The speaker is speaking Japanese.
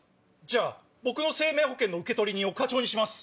じゃあ僕の生命保険の受取人を課長にします。